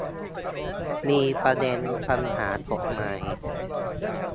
มีประเด็นปัญหากฎหมาย